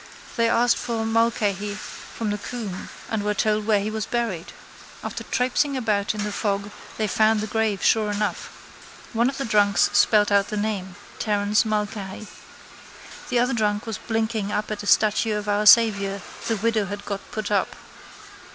They asked for Mulcahy from the Coombe and were told where he was buried. After traipsing about in the fog they found the grave sure enough. One of the drunks spelt out the name: Terence Mulcahy. The other drunk was blinking up at a statue of Our Saviour the widow had got put up.